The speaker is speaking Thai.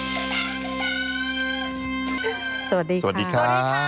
สวัสดีค่ะ